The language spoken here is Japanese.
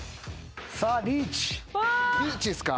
リーチっすか？